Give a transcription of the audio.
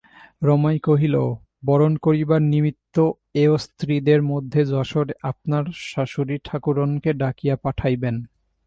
রমাই কহিল, বরণ করিবার নিমিত্ত এয়োস্ত্রীদের মধ্যে যশোরে আপনার শাশুড়ীঠাকরুনকে ডাকিয়া পাঠাইবেন।